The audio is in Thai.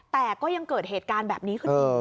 แต่ก็ยังเกิดเหตุการณ์แบบนี้ขึ้นอีก